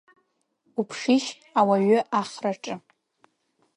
Уԥшишь, ауаҩы ахраҿы!